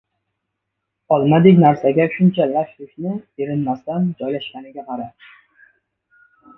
— Olmadek narsaga shuncha lash-lushni erinmasdan joylashganiga qara!